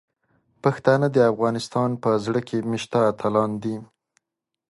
پښتانه د افغانستان په زړه کې میشته اتلان دي.